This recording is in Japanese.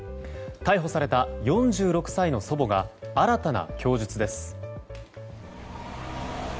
逮捕された４６歳の祖母が新たな供述です。